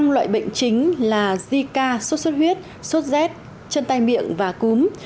năm loại bệnh chính là zika sốt xuất huyết sốt rét chân tay miệng và cúm